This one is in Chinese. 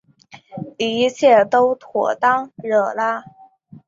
一切都妥当惹拉